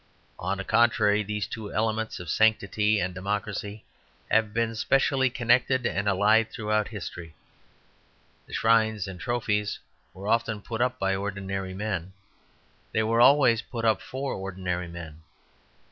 On the contrary, these two elements of sanctity and democracy have been specially connected and allied throughout history. The shrines and trophies were often put up by ordinary men. They were always put up for ordinary men.